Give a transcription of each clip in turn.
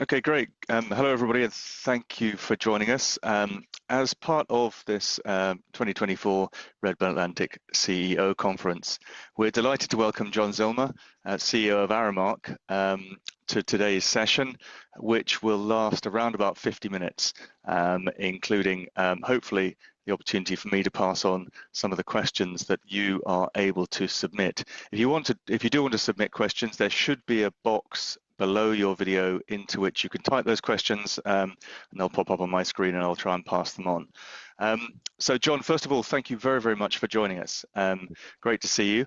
Okay, great. Hello, everybody, and thank you for joining us. As part of this 2024 Redburn Atlantic CEO Conference, we're delighted to welcome John Zillmer, CEO of Aramark, to today's session, which will last around about 50 minutes, including hopefully the opportunity for me to pass on some of the questions that you are able to submit. If you do want to submit questions, there should be a box below your video into which you can type those questions, and they'll pop up on my screen, and I'll try and pass them on. So, John, first of all, thank you very, very much for joining us. Great to see you,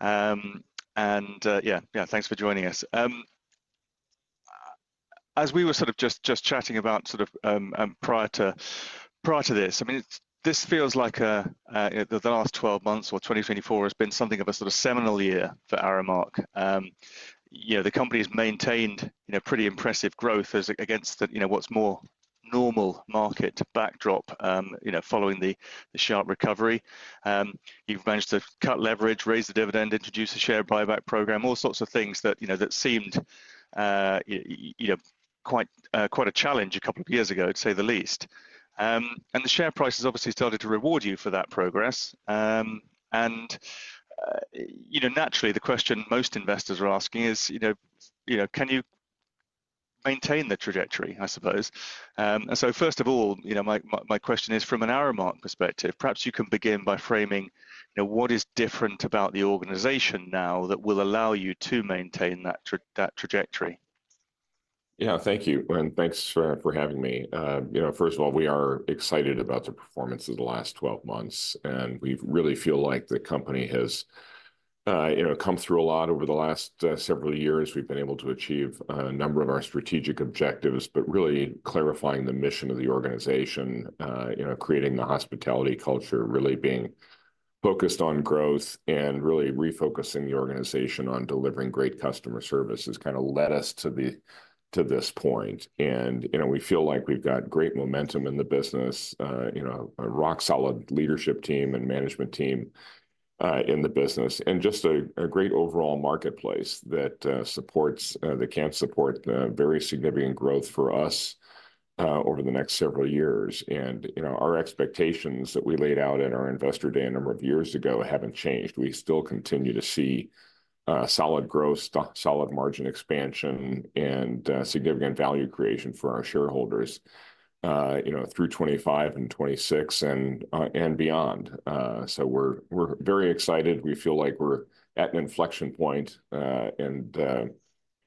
and yeah, yeah, thanks for joining us. As we were sort of just chatting about sort of prior to this, I mean, this feels like the last 12 months or 2024 has been something of a sort of seminal year for Aramark. The company has maintained pretty impressive growth against what's more normal market backdrop following the sharp recovery. You've managed to cut leverage, raise the dividend, introduce a share buyback program, all sorts of things that seemed quite a challenge a couple of years ago, to say the least, and the share price has obviously started to reward you for that progress, and naturally, the question most investors are asking is, can you maintain the trajectory, I suppose, and so, first of all, my question is, from an Aramark perspective, perhaps you can begin by framing what is different about the organization now that will allow you to maintain that trajectory. Yeah, thank you and thanks for having me. First of all, we are excited about the performance of the last 12 months, and we really feel like the company has come through a lot over the last several years. We've been able to achieve a number of our strategic objectives, but really clarifying the mission of the organization, creating the hospitality culture, really being focused on growth, and really refocusing the organization on delivering great customer service has kind of led us to this point, and we feel like we've got great momentum in the business, a rock-solid leadership team and management team in the business, and just a great overall marketplace that supports that can support very significant growth for us over the next several years, and our expectations that we laid out in our investor day a number of years ago haven't changed. We still continue to see solid growth, solid margin expansion, and significant value creation for our shareholders through 2025 and 2026 and beyond. So we're very excited. We feel like we're at an inflection point and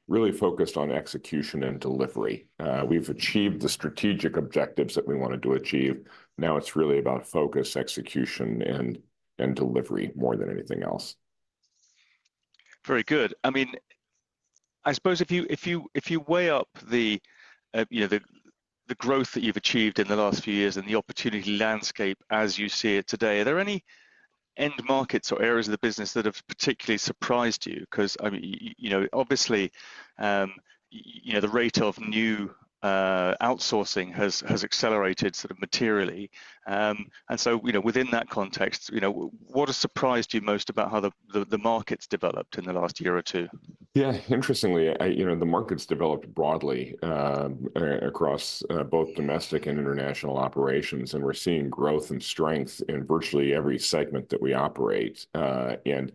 really focused on execution and delivery. We've achieved the strategic objectives that we wanted to achieve. Now it's really about focus, execution, and delivery more than anything else. Very good. I mean, I suppose if you weigh up the growth that you've achieved in the last few years and the opportunity landscape as you see it today, are there any end markets or areas of the business that have particularly surprised you? Because obviously, the rate of new outsourcing has accelerated sort of materially, and so within that context, what has surprised you most about how the market's developed in the last year or two? Yeah, interestingly, the market's developed broadly across both domestic and international operations. And we're seeing growth and strength in virtually every segment that we operate. And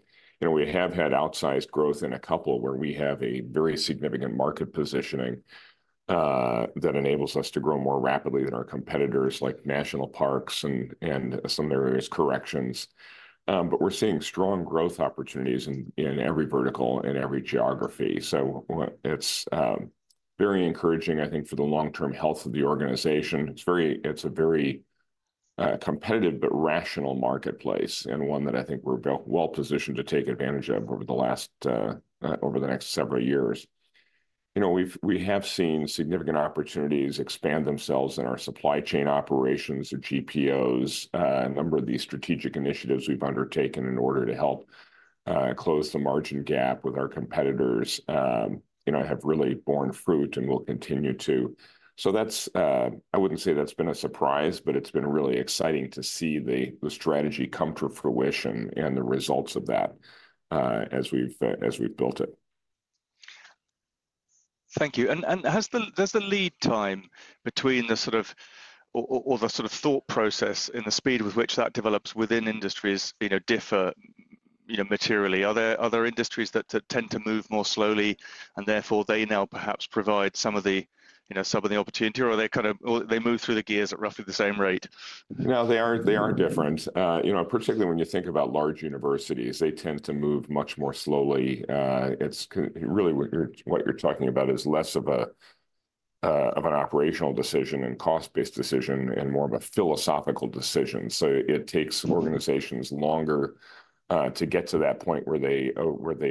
we have had outsized growth in a couple where we have a very significant market positioning that enables us to grow more rapidly than our competitors like National Parks and some of the various corrections. But we're seeing strong growth opportunities in every vertical and every geography. So it's very encouraging, I think, for the long-term health of the organization. It's a very competitive but rational marketplace and one that I think we're well positioned to take advantage of over the next several years. We have seen significant opportunities expand themselves in our supply chain operations, the GPOs. A number of these strategic initiatives we've undertaken in order to help close the margin gap with our competitors have really borne fruit and will continue to. So I wouldn't say that's been a surprise, but it's been really exciting to see the strategy come to fruition and the results of that as we've built it. Thank you. And does the lead time between the sort of thought process or the speed with which that develops within industries differ materially? Are there other industries that tend to move more slowly and therefore they now perhaps provide some of the opportunity or they move through the gears at roughly the same rate? No, they aren't different. Particularly when you think about large universities, they tend to move much more slowly. Really, what you're talking about is less of an operational decision and cost-based decision and more of a philosophical decision. So it takes organizations longer to get to that point where they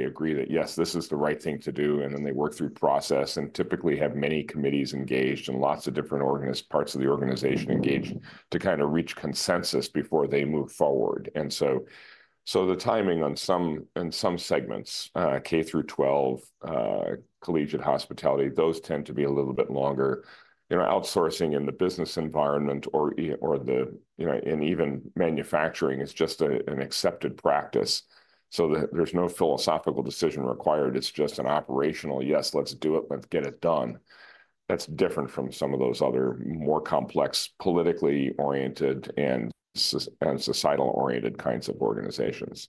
agree that, yes, this is the right thing to do, and then they work through process and typically have many committees engaged and lots of different parts of the organization engaged to kind of reach consensus before they move forward. And so the timing on some segments, K through 12, collegiate hospitality, those tend to be a little bit longer. Outsourcing in the business environment or even manufacturing is just an accepted practice. So there's no philosophical decision required. It's just an operational, yes, let's do it, let's get it done. That's different from some of those other more complex, politically oriented, and societal oriented kinds of organizations.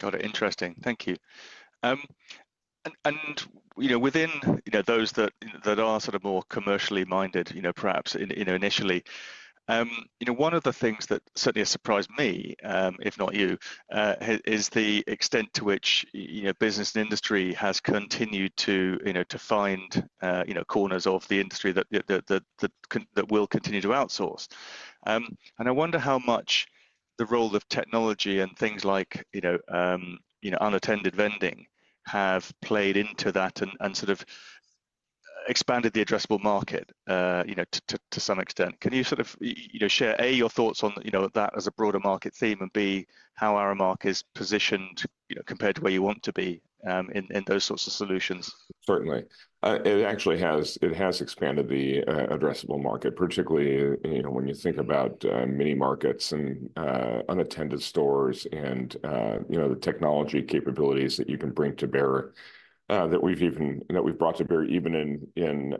Got it. Interesting. Thank you, and within those that are sort of more commercially minded, perhaps initially, one of the things that certainly has surprised me, if not you, is the extent to which business and industry has continued to find corners of the industry that will continue to outsource, and I wonder how much the role of technology and things like unattended vending have played into that and sort of expanded the addressable market to some extent. Can you sort of share, A, your thoughts on that as a broader market theme, and B, how Aramark is positioned compared to where you want to be in those sorts of solutions? Certainly. It actually has expanded the addressable market, particularly when you think about mini markets and unattended stores and the technology capabilities that you can bring to bear that we've brought to bear even in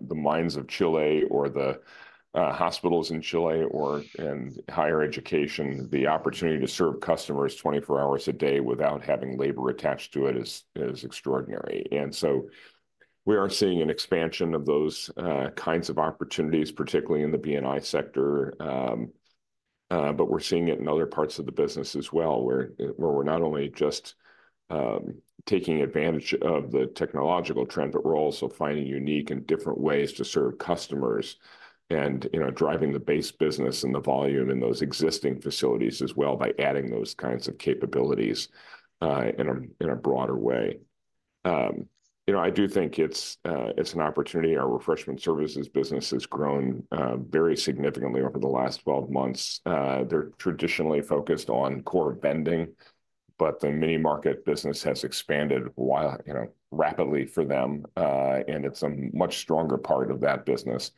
the mines of Chile or the hospitals in Chile or in higher education. The opportunity to serve customers 24 hours a day without having labor attached to it is extraordinary, and so we are seeing an expansion of those kinds of opportunities, particularly in the B&I sector, but we're seeing it in other parts of the business as well, where we're not only just taking advantage of the technological trend, but we're also finding unique and different ways to serve customers and driving the base business and the volume in those existing facilities as well by adding those kinds of capabilities in a broader way. I do think it's an opportunity. Our refreshment services business has grown very significantly over the last 12 months. They're traditionally focused on core vending, but the mini market business has expanded rapidly for them, and it's a much stronger part of that business.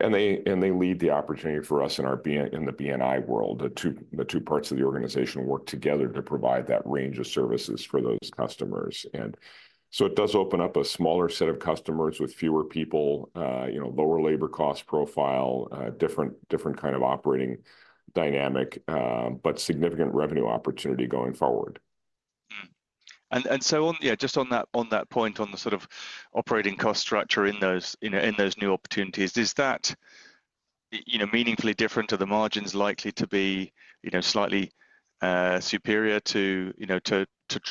And they lead the opportunity for us in the B&I world. The two parts of the organization work together to provide that range of services for those customers. And so it does open up a smaller set of customers with fewer people, lower labor cost profile, different kind of operating dynamic, but significant revenue opportunity going forward. And so just on that point, on the sort of operating cost structure in those new opportunities, is that meaningfully different? Are the margins likely to be slightly superior to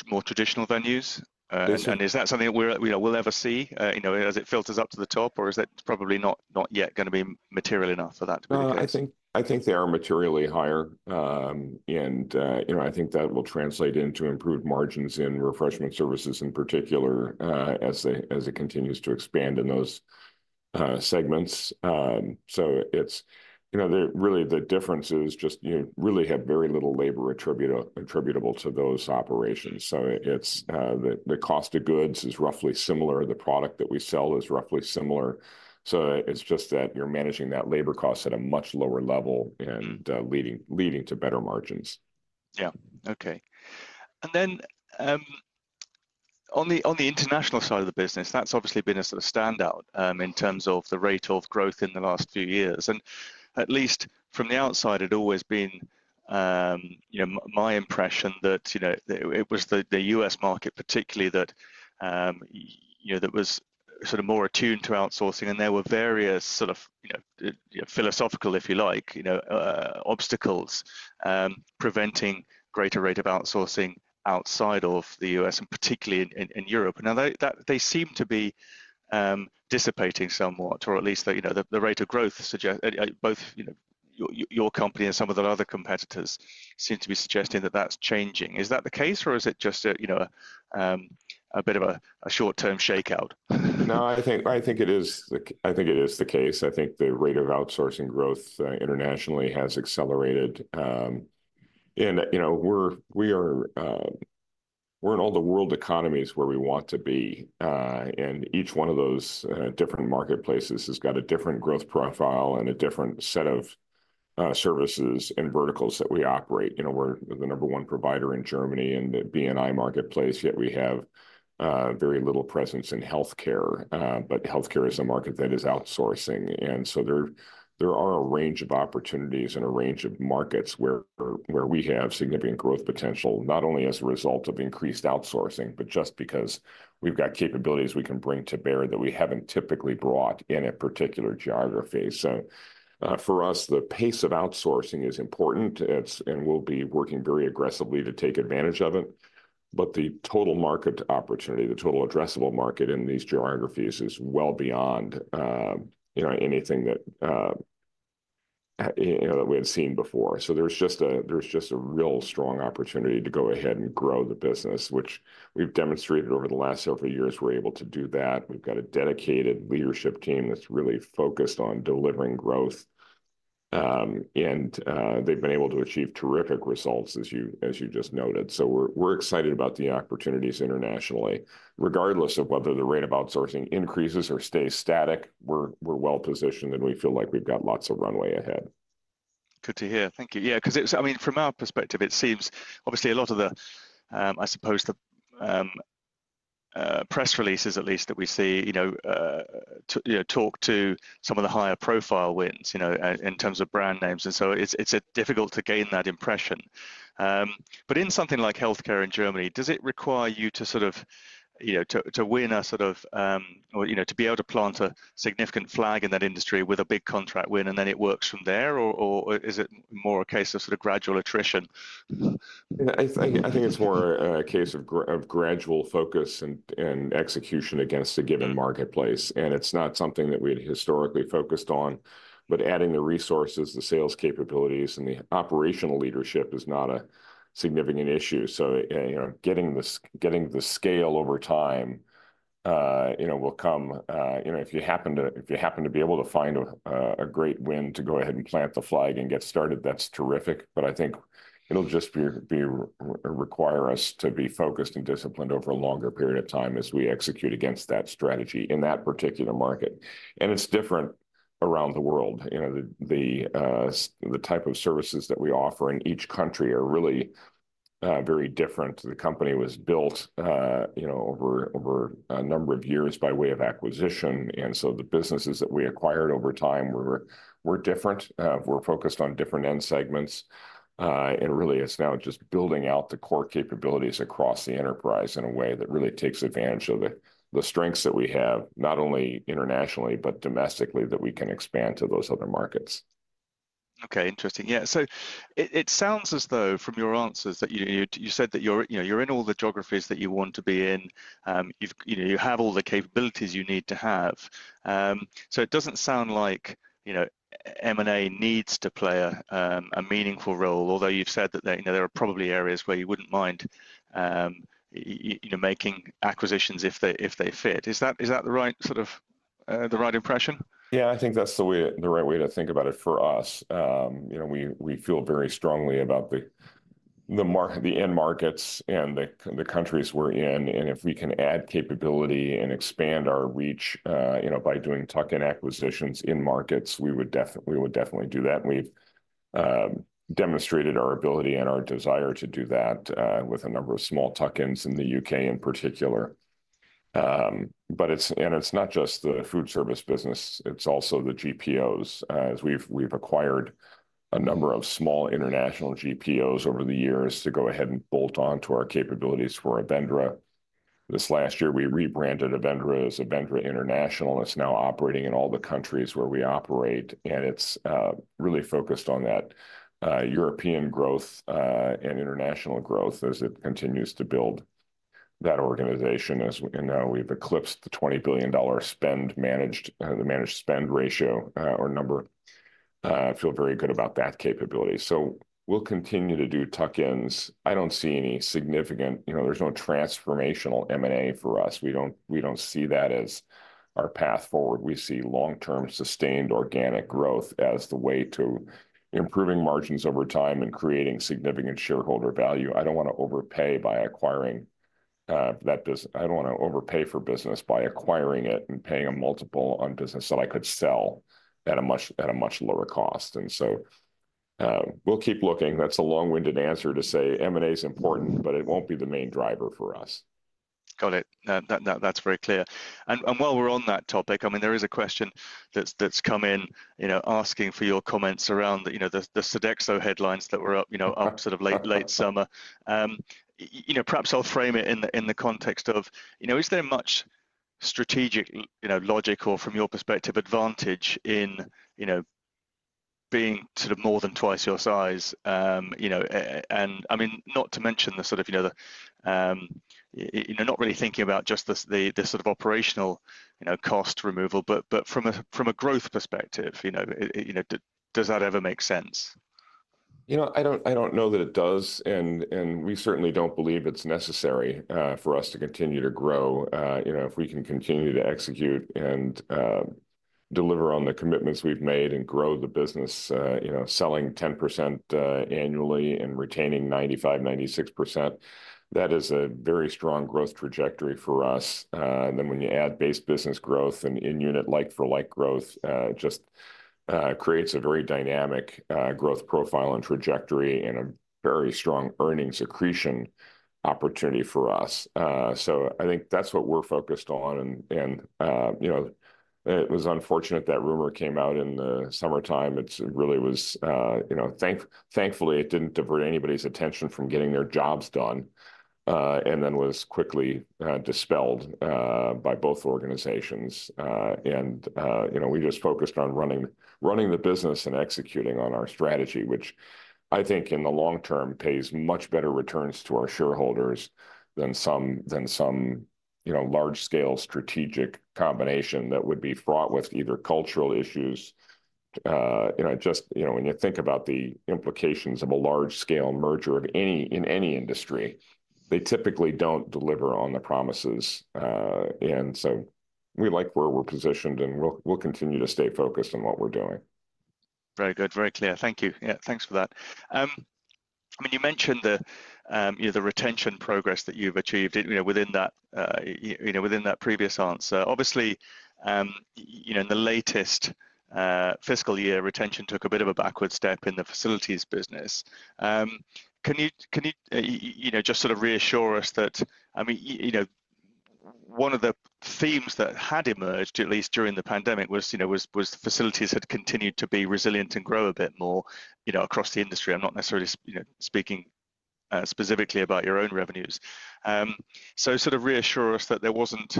more traditional venues? And is that something we'll ever see as it filters up to the top, or is that probably not yet going to be material enough for that to be the case? I think they are materially higher. And I think that will translate into improved margins in refreshment services in particular as it continues to expand in those segments. So really, the difference is just really have very little labor attributable to those operations. So the cost of goods is roughly similar. The product that we sell is roughly similar. So it's just that you're managing that labor cost at a much lower level and leading to better margins. Yeah. Okay. And then on the international side of the business, that's obviously been a sort of standout in terms of the rate of growth in the last few years. And at least from the outside, it had always been my impression that it was the U.S. market particularly that was sort of more attuned to outsourcing. And there were various sort of philosophical, if you like, obstacles preventing greater rate of outsourcing outside of the U.S. and particularly in Europe. Now, they seem to be dissipating somewhat, or at least the rate of growth, both your company and some of the other competitors seem to be suggesting that that's changing. Is that the case, or is it just a bit of a short-term shakeout? No, I think it is the case. I think the rate of outsourcing growth internationally has accelerated, and we're in all the world economies where we want to be. And each one of those different marketplaces has got a different growth profile and a different set of services and verticals that we operate. We're the number one provider in Germany in the B&I marketplace, yet we have very little presence in healthcare, but healthcare is a market that is outsourcing, and so there are a range of opportunities and a range of markets where we have significant growth potential, not only as a result of increased outsourcing, but just because we've got capabilities we can bring to bear that we haven't typically brought in a particular geography, so for us, the pace of outsourcing is important, and we'll be working very aggressively to take advantage of it. But the total market opportunity, the total addressable market in these geographies is well beyond anything that we had seen before. So there's just a real strong opportunity to go ahead and grow the business, which we've demonstrated over the last several years. We're able to do that. We've got a dedicated leadership team that's really focused on delivering growth. And they've been able to achieve terrific results, as you just noted. So we're excited about the opportunities internationally. Regardless of whether the rate of outsourcing increases or stays static, we're well positioned, and we feel like we've got lots of runway ahead. Good to hear. Thank you. Yeah, because I mean, from our perspective, it seems obviously a lot of the, I suppose, the press releases at least that we see talk to some of the higher profile wins in terms of brand names, and so it's difficult to gain that impression, but in something like healthcare in Germany, does it require you to sort of win or to be able to plant a significant flag in that industry with a big contract win, and then it works from there? Or is it more a case of sort of gradual attrition? I think it's more a case of gradual focus and execution against a given marketplace. And it's not something that we had historically focused on. But adding the resources, the sales capabilities, and the operational leadership is not a significant issue. So getting the scale over time will come. If you happen to be able to find a great win to go ahead and plant the flag and get started, that's terrific. But I think it'll just require us to be focused and disciplined over a longer period of time as we execute against that strategy in that particular market. And it's different around the world. The type of services that we offer in each country are really very different. The company was built over a number of years by way of acquisition. And so the businesses that we acquired over time were different. We're focused on different end segments. Really, it's now just building out the core capabilities across the enterprise in a way that really takes advantage of the strengths that we have, not only internationally, but domestically, that we can expand to those other markets. Okay. Interesting. Yeah. So it sounds as though from your answers that you said that you're in all the geographies that you want to be in. You have all the capabilities you need to have. So it doesn't sound like M&A needs to play a meaningful role, although you've said that there are probably areas where you wouldn't mind making acquisitions if they fit. Is that the right sort of impression? Yeah, I think that's the right way to think about it for us. We feel very strongly about the end markets and the countries we're in. And if we can add capability and expand our reach by doing tuck-in acquisitions in markets, we would definitely do that. We've demonstrated our ability and our desire to do that with a number of small tuck-ins in the U.K. in particular. And it's not just the food service business. It's also the GPOs. We've acquired a number of small international GPOs over the years to go ahead and bolt onto our capabilities for Avendra. This last year, we rebranded Avendra as Avendra International. It's now operating in all the countries where we operate. And it's really focused on that European growth and international growth as it continues to build that organization. And now we've eclipsed the $20 billion spend managed, the managed spend ratio or number. I feel very good about that capability, so we'll continue to do tuck-ins. There's no transformational M&A for us. We don't see that as our path forward. We see long-term sustained organic growth as the way to improving margins over time and creating significant shareholder value. I don't want to overpay by acquiring that business. I don't want to overpay for business by acquiring it and paying a multiple on business that I could sell at a much lower cost, and so we'll keep looking. That's a long-winded answer to say M&A is important, but it won't be the main driver for us. Got it. That's very clear, and while we're on that topic, I mean, there is a question that's come in asking for your comments around the Sodexo headlines that were up sort of late summer. Perhaps I'll frame it in the context of, is there much strategic, logical, from your perspective, advantage in being sort of more than twice your size? And I mean, not to mention the sort of not really thinking about just the sort of operational cost removal, but from a growth perspective, does that ever make sense? I don't know that it does. And we certainly don't believe it's necessary for us to continue to grow if we can continue to execute and deliver on the commitments we've made and grow the business, selling 10% annually and retaining 95-96%. That is a very strong growth trajectory for us. And then when you add base business growth and in-unit like-for-like growth, it just creates a very dynamic growth profile and trajectory and a very strong earnings accretion opportunity for us. So I think that's what we're focused on. And it was unfortunate that rumor came out in the summertime. It really was. Thankfully, it didn't divert anybody's attention from getting their jobs done and then was quickly dispelled by both organizations. And we just focused on running the business and executing on our strategy, which I think in the long term pays much better returns to our shareholders than some large-scale strategic combination that would be fraught with either cultural issues. Just when you think about the implications of a large-scale merger in any industry, they typically don't deliver on the promises. And so we like where we're positioned, and we'll continue to stay focused on what we're doing. Very good. Very clear. Thank you. Yeah, thanks for that. I mean, you mentioned the retention progress that you've achieved within that previous answer. Obviously, in the latest fiscal year, retention took a bit of a backward step in the facilities business. Can you just sort of reassure us that, I mean, one of the themes that had emerged, at least during the pandemic, was facilities had continued to be resilient and grow a bit more across the industry? I'm not necessarily speaking specifically about your own revenues. So sort of reassure us that there wasn't,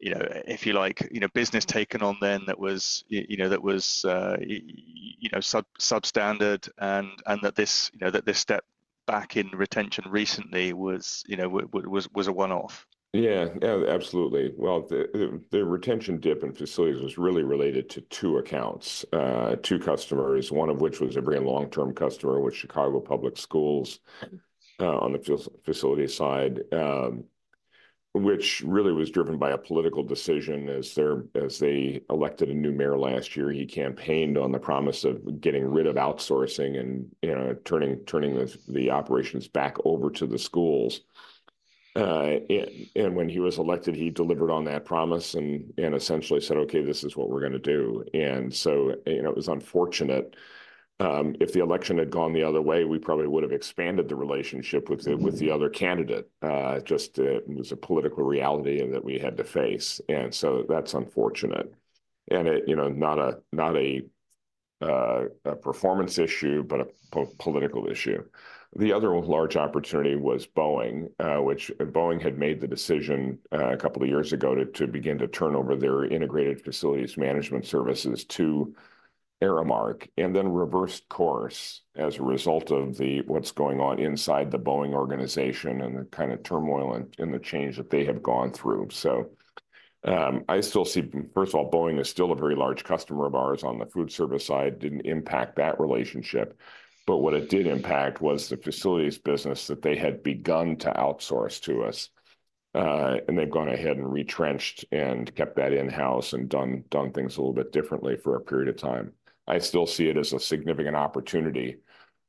if you like, business taken on then that was substandard and that this step back in retention recently was a one-off. Yeah. Absolutely. Well, the retention dip in facilities was really related to two accounts, two customers, one of which was a very long-term customer with Chicago Public Schools on the facility side, which really was driven by a political decision as they elected a new mayor last year. He campaigned on the promise of getting rid of outsourcing and turning the operations back over to the schools. And when he was elected, he delivered on that promise and essentially said, "Okay, this is what we're going to do." And so it was unfortunate. If the election had gone the other way, we probably would have expanded the relationship with the other candidate. It was a political reality that we had to face. And so that's unfortunate. And not a performance issue, but a political issue. The other large opportunity was Boeing, which Boeing had made the decision a couple of years ago to begin to turn over their integrated facilities management services to Aramark and then reversed course as a result of what's going on inside the Boeing organization and the kind of turmoil and the change that they have gone through. So I still see, first of all, Boeing is still a very large customer of ours on the food service side. It didn't impact that relationship. But what it did impact was the facilities business that they had begun to outsource to us, and they've gone ahead and retrenched and kept that in-house and done things a little bit differently for a period of time. I still see it as a significant opportunity,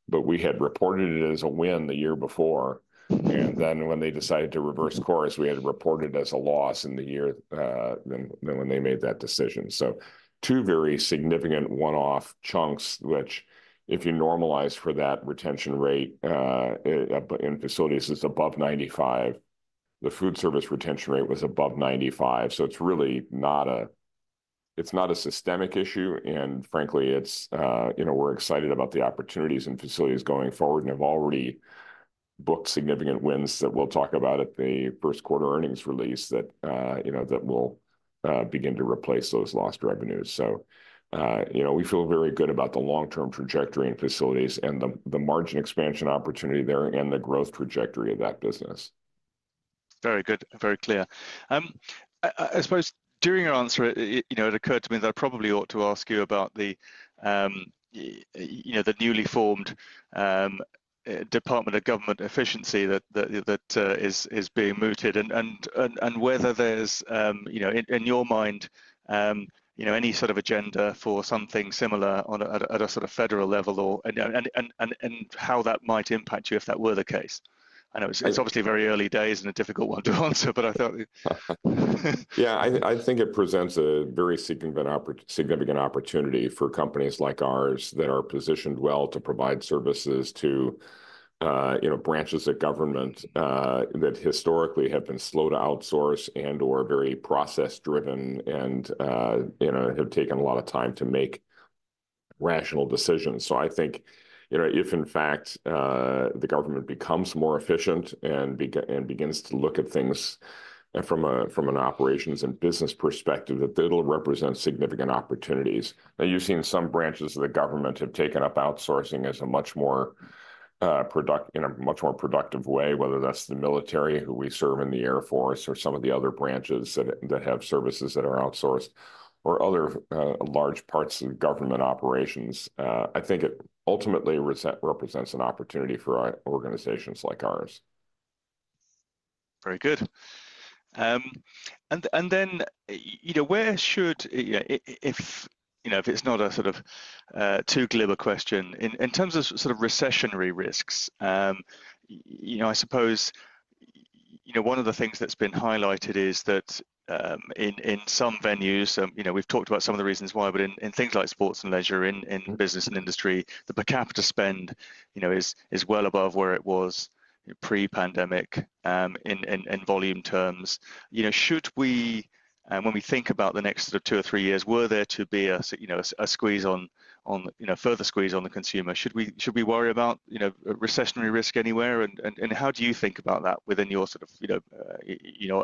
but we had reported it as a win the year before. And then when they decided to reverse course, we had reported it as a loss in the year when they made that decision. So two very significant one-off chunks, which if you normalize for that retention rate in facilities is above 95%. The food service retention rate was above 95%. So it's really not a systemic issue. And frankly, we're excited about the opportunities in facilities going forward and have already booked significant wins that we'll talk about at the first quarter earnings release that will begin to replace those lost revenues. So we feel very good about the long-term trajectory in facilities and the margin expansion opportunity there and the growth trajectory of that business. Very good. Very clear. I suppose during your answer, it occurred to me that I probably ought to ask you about the newly formed Department of Government Efficiency that is being mooted and whether there's, in your mind, any sort of agenda for something similar at a sort of federal level and how that might impact you if that were the case, and it's obviously very early days and a difficult one to answer, but I thought. Yeah, I think it presents a very significant opportunity for companies like ours that are positioned well to provide services to branches of government that historically have been slow to outsource and/or very process-driven and have taken a lot of time to make rational decisions. So I think if, in fact, the government becomes more efficient and begins to look at things from an operations and business perspective, that it'll represent significant opportunities. Now, you've seen some branches of the government have taken up outsourcing as a much more productive way, whether that's the military, who we serve in the Air Force, or some of the other branches that have services that are outsourced, or other large parts of government operations. I think it ultimately represents an opportunity for organizations like ours. Very good, and then where should, if it's not a sort of too glib a question, in terms of sort of recessionary risks, I suppose one of the things that's been highlighted is that in some venues, we've talked about some of the reasons why, but in things like sports and leisure, in business and industry, the per capita spend is well above where it was pre-pandemic in volume terms. Should we, when we think about the next sort of two or three years, were there to be a squeeze on, further squeeze on the consumer, should we worry about recessionary risk anywhere? And how do you think about that within your sort of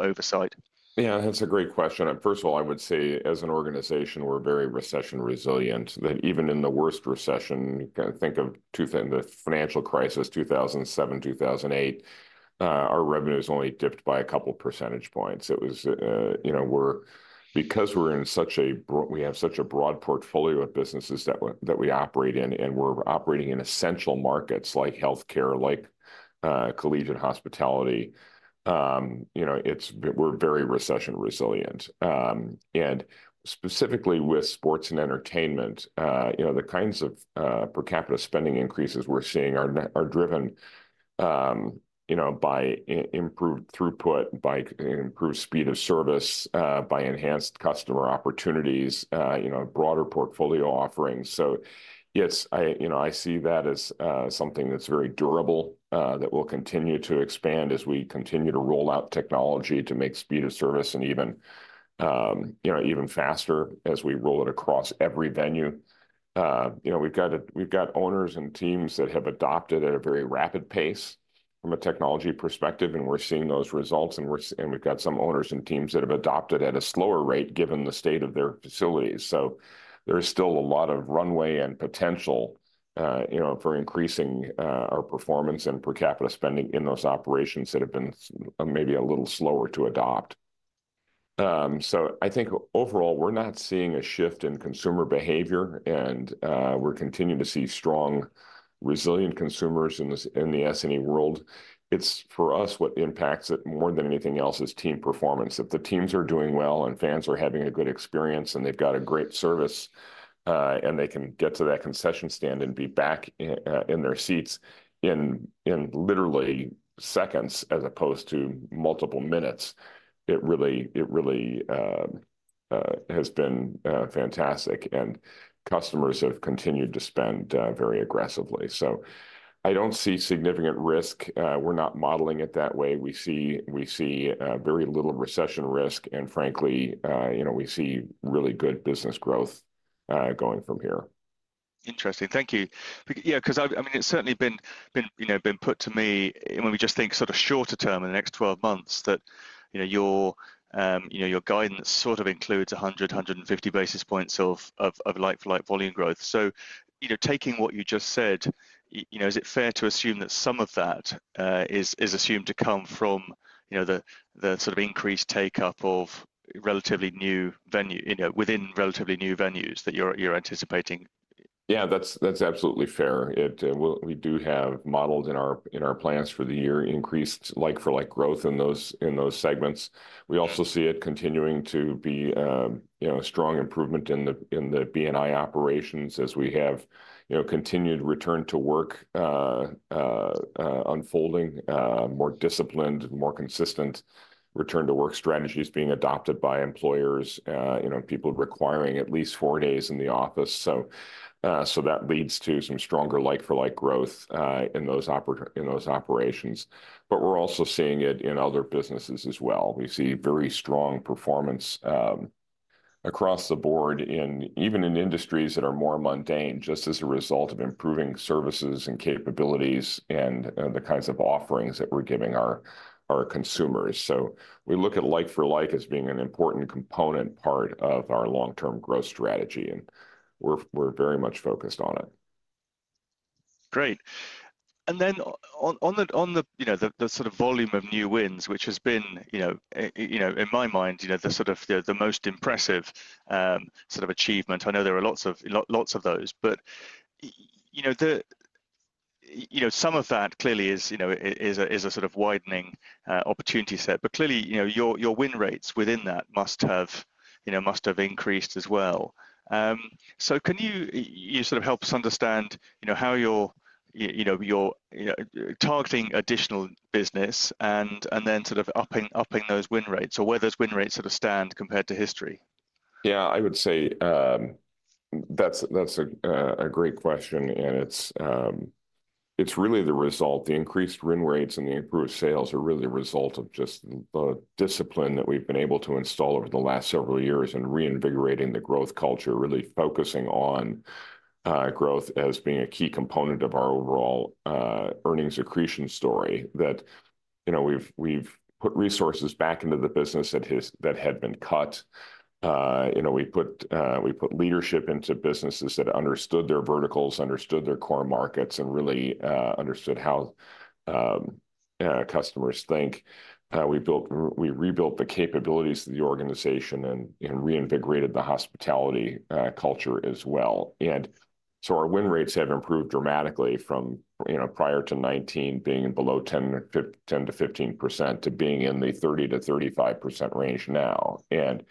oversight? Yeah, that's a great question. First of all, I would say as an organization, we're very recession resilient. Even in the worst recession, think of the financial crisis, 2007, 2008, our revenues only dipped by a couple of percentage points. It was because we have such a broad portfolio of businesses that we operate in, and we're operating in essential markets like healthcare, like collegiate hospitality, we're very recession resilient. And specifically with sports and entertainment, the kinds of per capita spending increases we're seeing are driven by improved throughput, by improved speed of service, by enhanced customer opportunities, broader portfolio offerings. So yes, I see that as something that's very durable that will continue to expand as we continue to roll out technology to make speed of service and even faster as we roll it across every venue. We've got owners and teams that have adopted at a very rapid pace from a technology perspective, and we're seeing those results. And we've got some owners and teams that have adopted at a slower rate given the state of their facilities. So there's still a lot of runway and potential for increasing our performance and per capita spending in those operations that have been maybe a little slower to adopt. So I think overall, we're not seeing a shift in consumer behavior, and we're continuing to see strong, resilient consumers in the S&E world. It's for us what impacts it more than anything else is team performance. If the teams are doing well and fans are having a good experience and they've got a great service and they can get to that concession stand and be back in their seats in literally seconds as opposed to multiple minutes, it really has been fantastic, and customers have continued to spend very aggressively, so I don't see significant risk. We're not modeling it that way. We see very little recession risk, and frankly, we see really good business growth going from here. Interesting. Thank you. Yeah, because I mean, it's certainly been put to me when we just think sort of shorter term in the next 12 months that your guidance sort of includes 100-150 basis points of like-for-like volume growth. So taking what you just said, is it fair to assume that some of that is assumed to come from the sort of increased take-up of relatively new venues within relatively new venues that you're anticipating? Yeah, that's absolutely fair. We do have modeled in our plans for the year increased like-for-like growth in those segments. We also see it continuing to be a strong improvement in the B&I operations as we have continued return to work unfolding, more disciplined, more consistent return to work strategies being adopted by employers and people requiring at least four days in the office. So that leads to some stronger like-for-like growth in those operations. But we're also seeing it in other businesses as well. We see very strong performance across the board, even in industries that are more mundane, just as a result of improving services and capabilities and the kinds of offerings that we're giving our consumers. So we look at like-for-like as being an important component part of our long-term growth strategy, and we're very much focused on it. Great. And then on the sort of volume of new wins, which has been, in my mind, the sort of most impressive sort of achievement, I know there are lots of those, but some of that clearly is a sort of widening opportunity set. But clearly, your win rates within that must have increased as well. So can you sort of help us understand how you're targeting additional business and then sort of upping those win rates or where those win rates sort of stand compared to history? Yeah, I would say that's a great question and it's really the result. The increased win rates and the improved sales are really a result of just the discipline that we've been able to install over the last several years and reinvigorating the growth culture, really focusing on growth as being a key component of our overall earnings accretion story that we've put resources back into the business that had been cut. We put leadership into businesses that understood their verticals, understood their core markets, and really understood how customers think. We rebuilt the capabilities of the organization and reinvigorated the hospitality culture as well, and so our win rates have improved dramatically from prior to 2019 being below 10%-15% to being in the 30%-35% range now, and so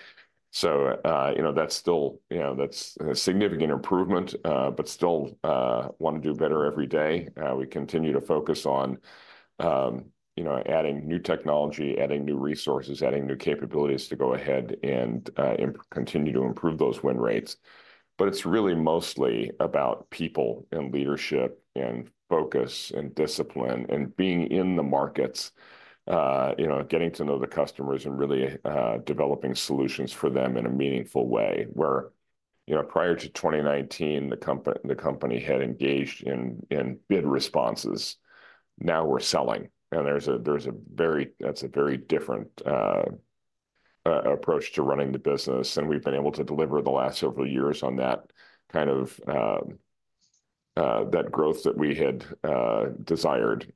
that's a significant improvement, but still want to do better every day. We continue to focus on adding new technology, adding new resources, adding new capabilities to go ahead and continue to improve those win rates, but it's really mostly about people and leadership and focus and discipline and being in the markets, getting to know the customers and really developing solutions for them in a meaningful way. Where prior to 2019, the company had engaged in bid responses. Now we're selling, and that's a very different approach to running the business, and we've been able to deliver the last several years on that kind of that growth that we had desired,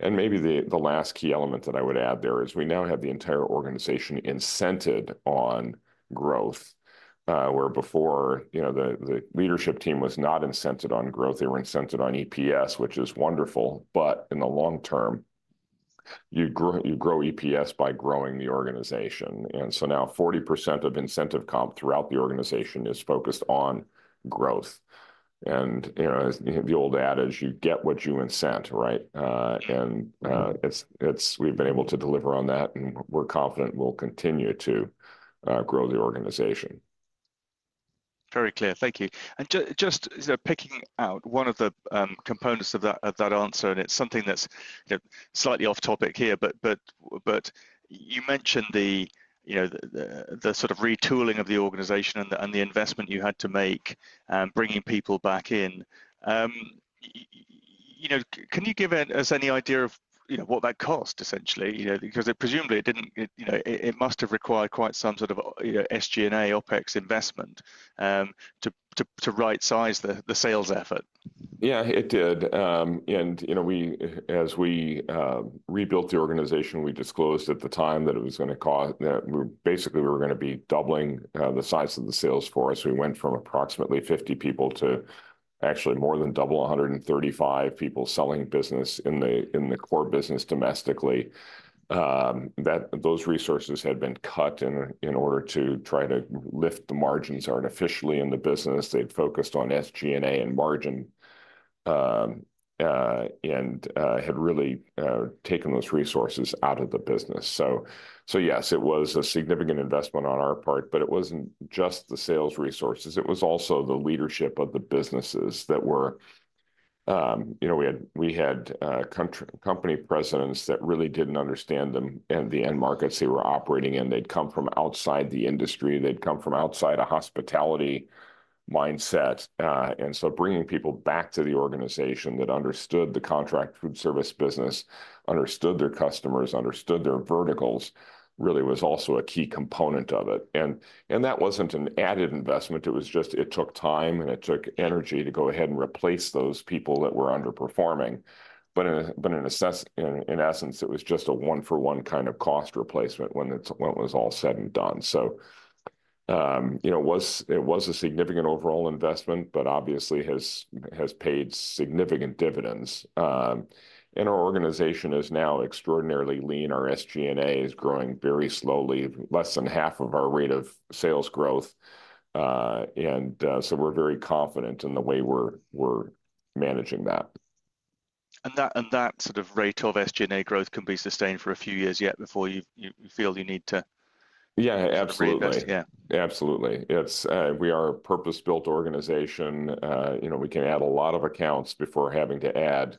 and maybe the last key element that I would add there is we now have the entire organization incented on growth. Where before, the leadership team was not incented on growth. They were incented on EPS, which is wonderful. But in the long term, you grow EPS by growing the organization. And so now 40% of incentive comp throughout the organization is focused on growth. And the old adage is, you get what you incent, right? And we've been able to deliver on that, and we're confident we'll continue to grow the organization. Very clear. Thank you. And just picking out one of the components of that answer, and it's something that's slightly off topic here, but you mentioned the sort of retooling of the organization and the investment you had to make bringing people back in. Can you give us any idea of what that cost, essentially? Because presumably, it must have required quite some sort of SG&A, OPEX investment to right-size the sales effort. Yeah, it did, and as we rebuilt the organization, we disclosed at the time that it was going to cost. Basically, we were going to be doubling the size of the sales force. We went from approximately 50 people to actually more than double 135 people selling business in the core business domestically. Those resources had been cut in order to try to lift the margins artificially in the business. They'd focused on SG&A and margin and had really taken those resources out of the business. So yes, it was a significant investment on our part, but it wasn't just the sales resources. It was also the leadership of the businesses that were we had company presidents that really didn't understand the end markets they were operating in. They'd come from outside the industry. They'd come from outside a hospitality mindset. Bringing people back to the organization that understood the contract food service business, understood their customers, understood their verticals really was also a key component of it. And that wasn't an added investment. It was just it took time and it took energy to go ahead and replace those people that were underperforming. But in essence, it was just a one-for-one kind of cost replacement when it was all said and done. So it was a significant overall investment, but obviously has paid significant dividends. And our organization is now extraordinarily lean. Our SG&A is growing very slowly, less than half of our rate of sales growth. And so we're very confident in the way we're managing that. That sort of rate of SG&A growth can be sustained for a few years yet before you feel you need to. Yeah, absolutely. Absolutely. We are a purpose-built organization. We can add a lot of accounts before having to add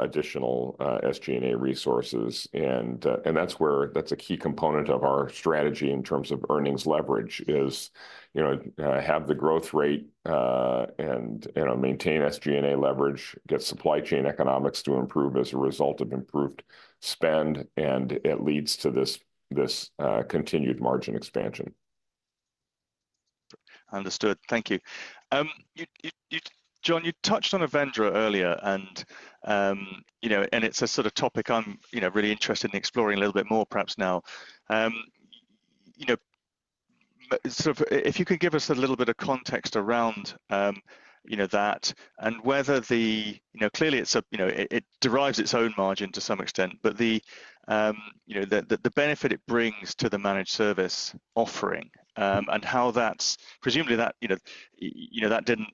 additional SG&A resources. And that's a key component of our strategy in terms of earnings leverage is have the growth rate and maintain SG&A leverage, get supply chain economics to improve as a result of improved spend, and it leads to this continued margin expansion. Understood. Thank you. John, you touched on Avendra earlier, and it's a sort of topic I'm really interested in exploring a little bit more perhaps now. If you could give us a little bit of context around that and whether, clearly, it derives its own margin to some extent, but the benefit it brings to the managed service offering and how that's presumably that didn't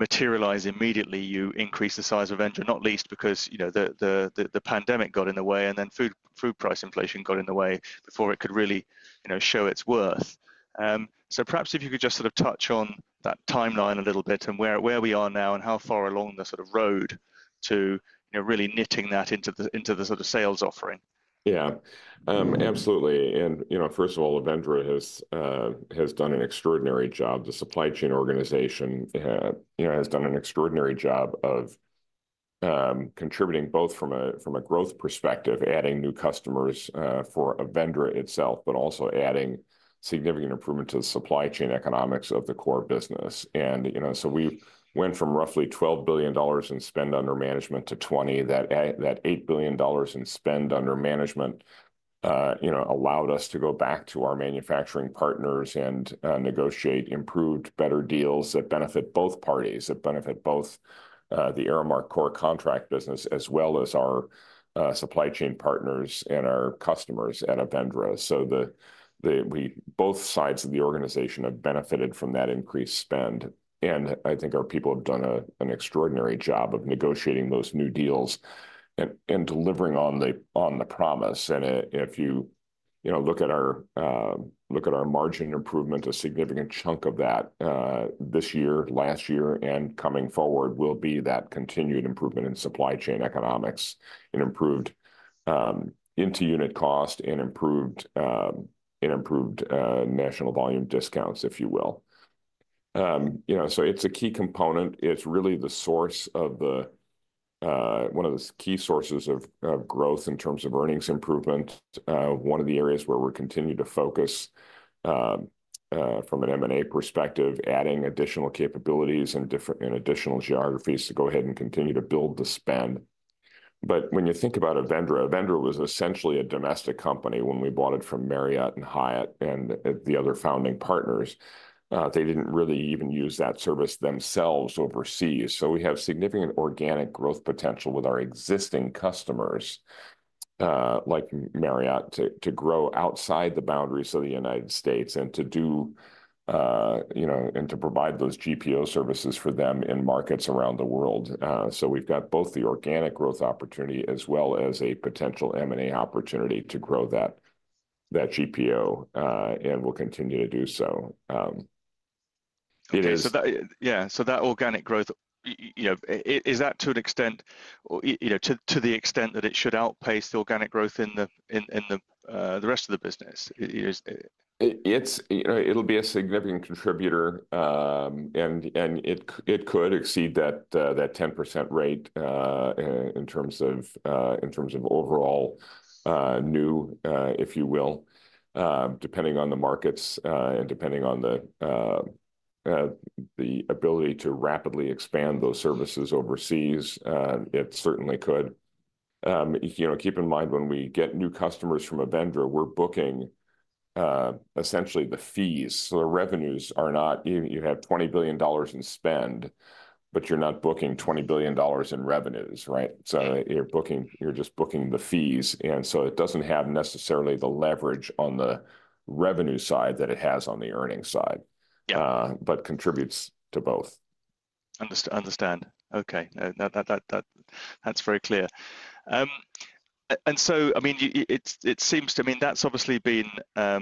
materialize immediately. You increased the size of Avendra, not least because the pandemic got in the way and then food price inflation got in the way before it could really show its worth. So perhaps if you could just sort of touch on that timeline a little bit and where we are now and how far along the sort of road to really knitting that into the sort of sales offering. Yeah, absolutely. And first of all, Avendra has done an extraordinary job. The supply chain organization has done an extraordinary job of contributing both from a growth perspective, adding new customers for Avendra itself, but also adding significant improvement to the supply chain economics of the core business. And so we went from roughly $12 billion in spend under management to $20 billion. That $8 billion in spend under management allowed us to go back to our manufacturing partners and negotiate improved, better deals that benefit both parties, that benefit both the Aramark core contract business as well as our supply chain partners and our customers at Avendra. So both sides of the organization have benefited from that increased spend. And I think our people have done an extraordinary job of negotiating those new deals and delivering on the promise. And if you look at our margin improvement, a significant chunk of that this year, last year, and coming forward will be that continued improvement in supply chain economics and improved input unit cost and improved national volume discounts, if you will. So it's a key component. It's really the source of one of the key sources of growth in terms of earnings improvement. One of the areas where we're continuing to focus from an M&A perspective, adding additional capabilities in additional geographies to go ahead and continue to build the spend. But when you think about Avendra, Avendra was essentially a domestic company when we bought it from Marriott and Hyatt and the other founding partners. They didn't really even use that service themselves overseas. So we have significant organic growth potential with our existing customers like Marriott to grow outside the boundaries of the United States and to do and to provide those GPO services for them in markets around the world. So we've got both the organic growth opportunity as well as a potential M&A opportunity to grow that GPO and will continue to do so. Yeah. So that organic growth, is that to an extent to the extent that it should outpace the organic growth in the rest of the business? It'll be a significant contributor, and it could exceed that 10% rate in terms of overall new, if you will, depending on the markets and depending on the ability to rapidly expand those services overseas. It certainly could. Keep in mind, when we get new customers from Avendra, we're booking essentially the fees. So the revenues are not. You have $20 billion in spend, but you're not booking $20 billion in revenues, right? So you're just booking the fees. And so it doesn't have necessarily the leverage on the revenue side that it has on the earnings side, but contributes to both. Understand. Okay. That's very clear. And so, I mean, it seems to me that's obviously been a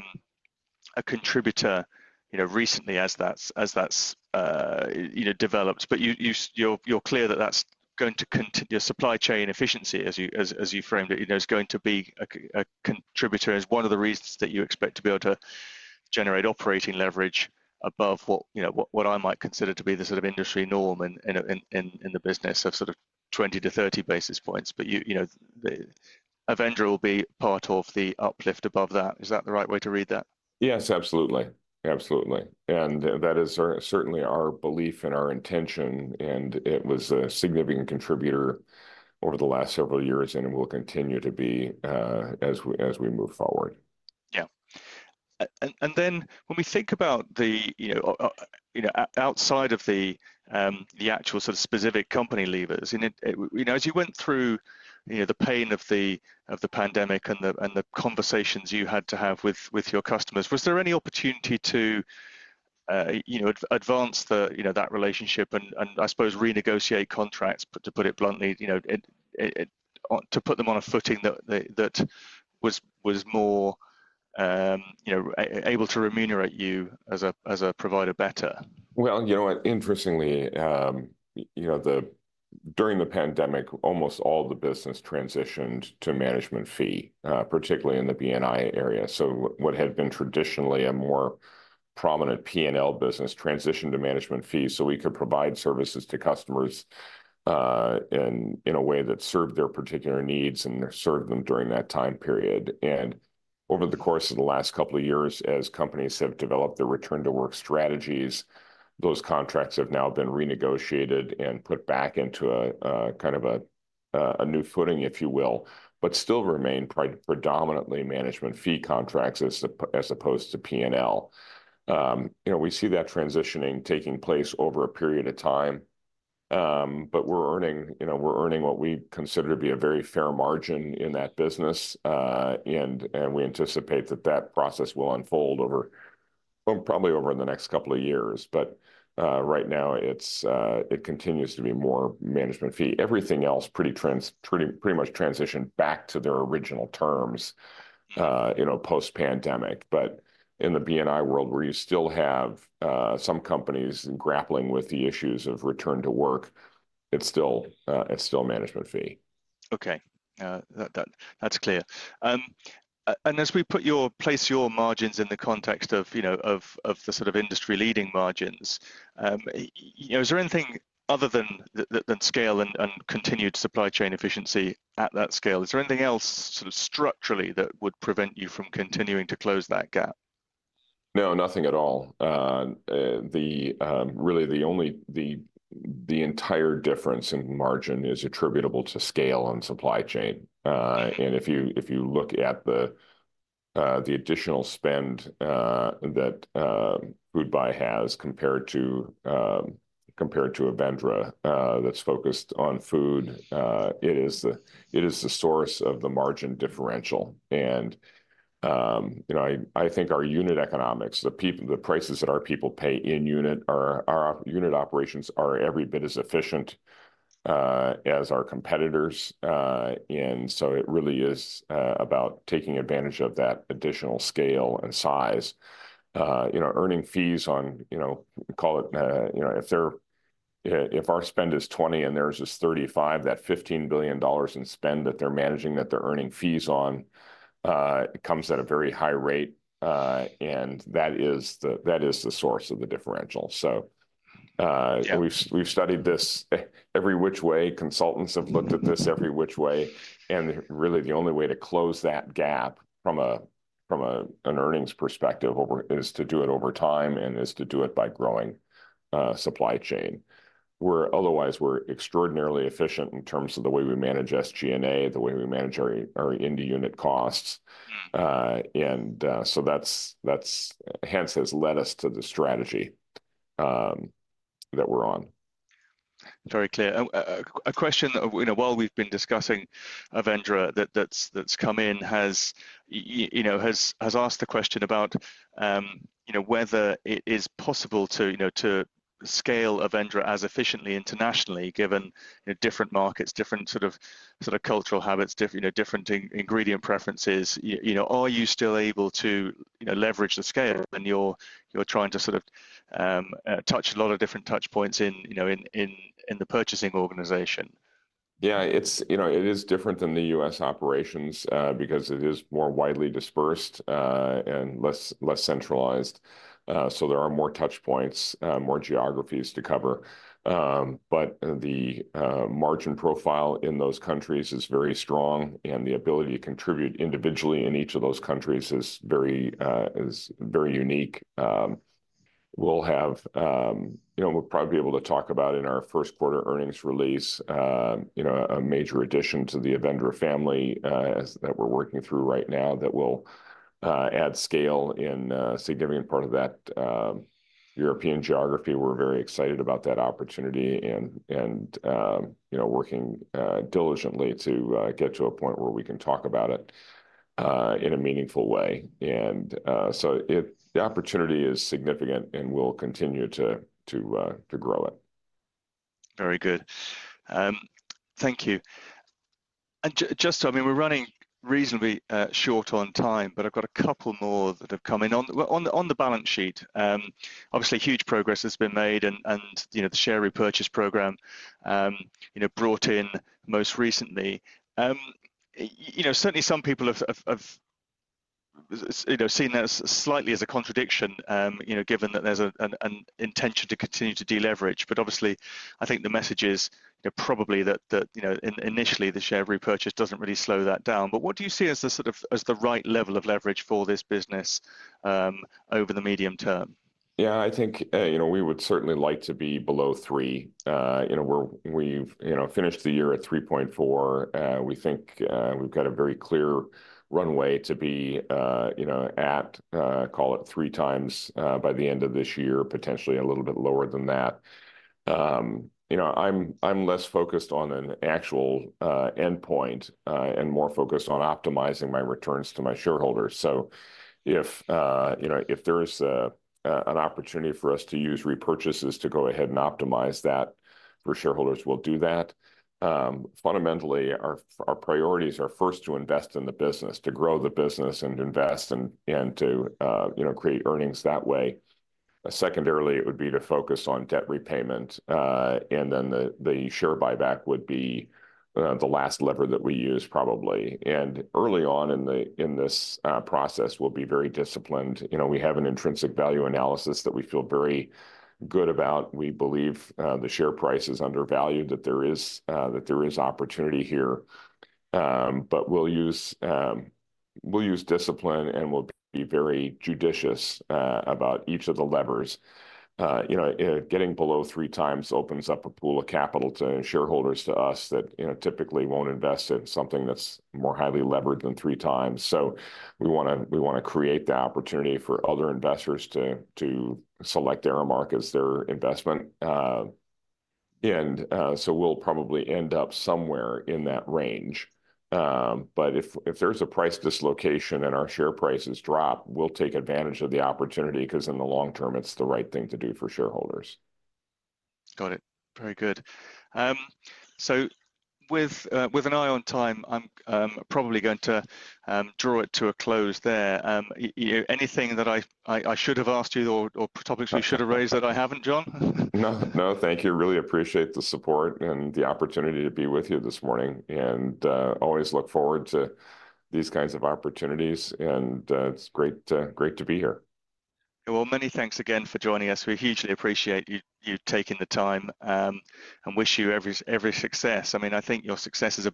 contributor recently as that's developed. But you're clear that that's going to continue your supply chain efficiency, as you framed it, is going to be a contributor as one of the reasons that you expect to be able to generate operating leverage above what I might consider to be the sort of industry norm in the business of sort of 20-30 basis points. But Avendra will be part of the uplift above that. Is that the right way to read that? Yes, absolutely. Absolutely. And that is certainly our belief and our intention. And it was a significant contributor over the last several years and will continue to be as we move forward. Yeah. And then when we think about outside of the actual sort of specific company levers, as you went through the pain of the pandemic and the conversations you had to have with your customers, was there any opportunity to advance that relationship and, I suppose, renegotiate contracts, to put it bluntly, to put them on a footing that was more able to remunerate you as a provider better? You know what? Interestingly, during the pandemic, almost all the business transitioned to management fee, particularly in the B&I area. So what had been traditionally a more prominent P&L business transitioned to management fee so we could provide services to customers in a way that served their particular needs and served them during that time period. And over the course of the last couple of years, as companies have developed their return-to-work strategies, those contracts have now been renegotiated and put back into kind of a new footing, if you will, but still remain predominantly management fee contracts as opposed to P&L. We see that transitioning taking place over a period of time, but we're earning what we consider to be a very fair margin in that business. And we anticipate that that process will unfold probably over the next couple of years. But right now, it continues to be more management fee. Everything else pretty much transitioned back to their original terms post-pandemic. But in the B&I world, where you still have some companies grappling with the issues of return to work, it's still management fee. Okay. That's clear, and as we place your margins in the context of the sort of industry-leading margins, is there anything other than scale and continued supply chain efficiency at that scale? Is there anything else sort of structurally that would prevent you from continuing to close that gap? No, nothing at all. Really, the entire difference in margin is attributable to scale and supply chain, and if you look at the additional spend that Foodbuy has compared to Avendra that's focused on food, it is the source of the margin differential, and I think our unit economics, the prices that our people pay in unit, our unit operations are every bit as efficient as our competitors, and so it really is about taking advantage of that additional scale and size. Earning fees on, call it if our spend is 20 and theirs is 35, that $15 billion in spend that they're managing that they're earning fees on comes at a very high rate, and that is the source of the differential, so we've studied this every which way. Consultants have looked at this every which way. Really, the only way to close that gap from an earnings perspective is to do it over time and is to do it by growing supply chain. Otherwise, we're extraordinarily efficient in terms of the way we manage SG&A, the way we manage our end-to-unit costs. And so that's hence has led us to the strategy that we're on. Very clear. A question that, while we've been discussing Avendra, that's come in has asked the question about whether it is possible to scale Avendra as efficiently internationally, given different markets, different sort of cultural habits, different ingredient preferences. Are you still able to leverage the scale when you're trying to sort of touch a lot of different touch points in the purchasing organization? Yeah, it is different than the U.S. operations because it is more widely dispersed and less centralized. So there are more touch points, more geographies to cover. But the margin profile in those countries is very strong. And the ability to contribute individually in each of those countries is very unique. We'll probably be able to talk about in our first quarter earnings release a major addition to the Avendra family that we're working through right now that will add scale in a significant part of that European geography. We're very excited about that opportunity and working diligently to get to a point where we can talk about it in a meaningful way. And so the opportunity is significant and we'll continue to grow it. Very good. Thank you. And just to, I mean, we're running reasonably short on time, but I've got a couple more that have come in on the balance sheet. Obviously, huge progress has been made and the share repurchase program brought in most recently. Certainly, some people have seen that slightly as a contradiction, given that there's an intention to continue to deleverage. But obviously, I think the message is probably that initially the share repurchase doesn't really slow that down. But what do you see as the right level of leverage for this business over the medium term? Yeah, I think we would certainly like to be below three. We've finished the year at 3.4. We think we've got a very clear runway to be at, call it three times by the end of this year, potentially a little bit lower than that. I'm less focused on an actual endpoint and more focused on optimizing my returns to my shareholders. So if there is an opportunity for us to use repurchases to go ahead and optimize that for shareholders, we'll do that. Fundamentally, our priorities are first to invest in the business, to grow the business and invest and to create earnings that way. Secondarily, it would be to focus on debt repayment. And then the share buyback would be the last lever that we use probably. And early on in this process, we'll be very disciplined. We have an intrinsic value analysis that we feel very good about. We believe the share price is undervalued, that there is opportunity here, but we'll use discipline and we'll be very judicious about each of the levers. Getting below three times opens up a pool of capital to shareholders to us that typically won't invest in something that's more highly levered than three times. So we want to create the opportunity for other investors to select Aramark as their investment, and so we'll probably end up somewhere in that range, but if there's a price dislocation and our share prices drop, we'll take advantage of the opportunity because in the long term, it's the right thing to do for shareholders. Got it. Very good. So with an eye on time, I'm probably going to draw it to a close there. Anything that I should have asked you or topics we should have raised that I haven't, John? No, no, thank you. Really appreciate the support and the opportunity to be with you this morning. And always look forward to these kinds of opportunities. And it's great to be here. Many thanks again for joining us. We hugely appreciate you taking the time and wish you every success. I mean, I think your successes are.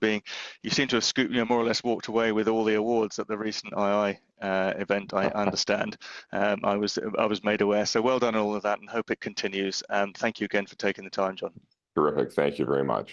You seem to have more or less walked away with all the awards at the recent II event, I understand. I was made aware, so well done on all of that and hope it continues, and thank you again for taking the time, John. Terrific. Thank you very much.